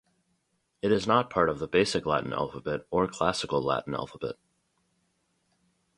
It is not part of the basic Latin alphabet or Classical Latin alphabet.